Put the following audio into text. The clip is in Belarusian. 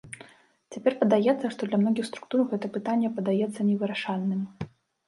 Цяпер падаецца, што для многіх структур гэта пытанне падаецца невырашальным.